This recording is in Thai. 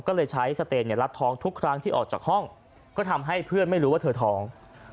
ก็เลยใช้สเตนรัดท้องทุกครั้งที่ออกจากห้องก็ทำให้เพื่อนไม่รู้ว่าเธอท้อง